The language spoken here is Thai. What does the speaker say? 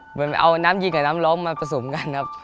เหมือนเอาน้ำยิงกับน้ำล้มมาผสมกันครับ